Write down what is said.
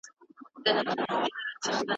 په څېړنه کي حقایق په پام کي نیول کیږي.